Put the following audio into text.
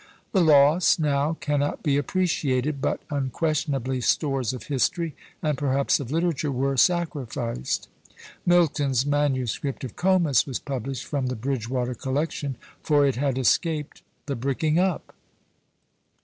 The loss now cannot be appreciated; but unquestionably stores of history, and perhaps of literature, were sacrificed. Milton's manuscript of Comus was published from the Bridgewater collection, for it had escaped the bricking up!